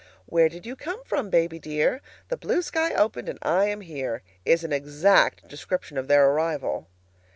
"Where did you come from, baby dear?" "The blue sky opened, and I am here," is an exact description of their arrival.